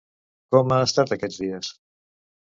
Com ha estat aquests dies?